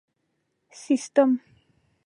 سیسټم